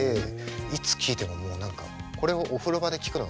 いつ聴いてももう何かこれをお風呂場で聴くのがすごい好きで。